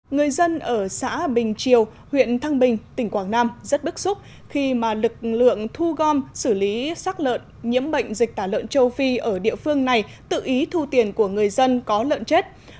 người dân ở xã bình triều huyện thăng bình tỉnh quảng nam rất bức xúc khi mà lực lượng thu gom xử lý sắc lợn nhiễm bệnh dịch tả lợn châu phi ở địa phương này tự ý thu tiền của người dân có lợn chết